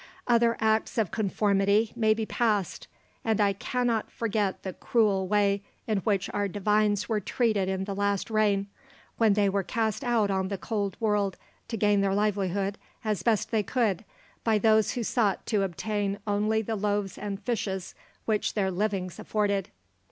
Other Acts of Conformity may be passed; and I cannot forget the cruel way in which our divines were treated in the last reign, when they were cast out on the cold world to gain their livelihood, as best they could, by those who sought to obtain only the loaves and fishes which their livings afforded."